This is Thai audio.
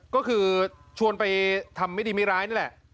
ก็คือชวนไปทำไม่ดีไม่ร้ายนี่แหละ